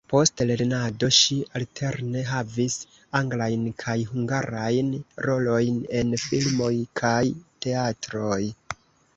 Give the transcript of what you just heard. Post lernado ŝi alterne havis anglajn kaj hungarajn rolojn en filmoj kaj teatroj.